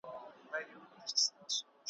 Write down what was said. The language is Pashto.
دا دوران دي مور هم دی تېر کړی لېونۍ ,